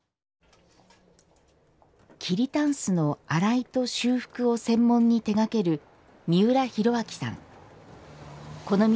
桐たんすの洗いと修復を専門に手がけるこの道